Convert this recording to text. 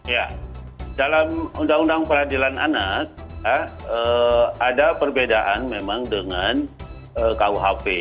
ya dalam undang undang peradilan anak ada perbedaan memang dengan kuhp